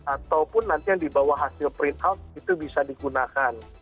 ataupun nanti yang dibawah hasil printout itu bisa digunakan